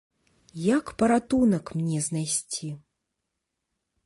Як паратунак мне знайсці?